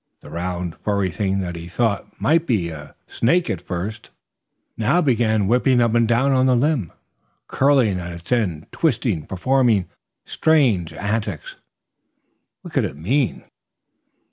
The round, furry thing that he thought might be a snake at first now began whipping up and down on the limb, curling at its end, twisting, performing strange antics. What could it mean?